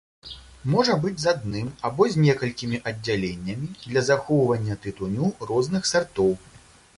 Можа быць з адным або з некалькімі аддзяленнямі для захоўвання тытуню розных сартоў.